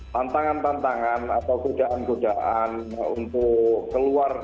tantangan tantangan atau godaan godaan untuk keluar